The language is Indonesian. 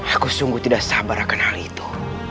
aku sungguh tidak sabar akan hal itu